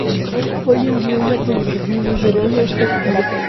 Hoy en día, una congregación luterana esta activa.